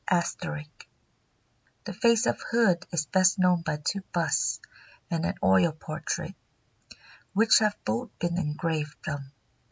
*] "The face of Hood is best known by two busts and an oil portrait, which have both been engraved from.